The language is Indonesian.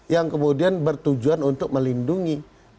yang kemudian bertujuan untuk melindungi